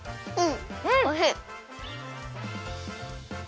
うん！